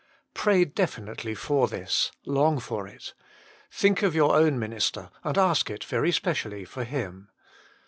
Pray definitely for this ; long for it. Think of your own minister, and ask it very specially for him.